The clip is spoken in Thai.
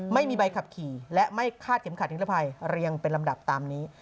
ไม่มีใบขับขี่และไม่คาดเข็มขัดนิรภัยเรียงเป็นลำดับตามนี้